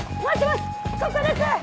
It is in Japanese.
ここです！